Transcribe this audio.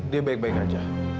dia baik baik aja